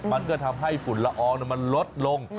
มันก็ทำให้ฝุ่นละอองมันลดลง